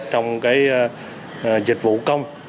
trong dịch vụ công